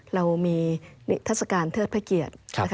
เรามีนิทัศกาลเทิดพระเกียรติ